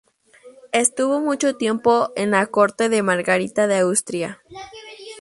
Estuvo mucho tiempo en la corte de Margarita de Austria.